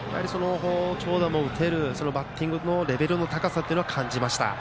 長打も打てるバッティングのレベルの高さを感じました。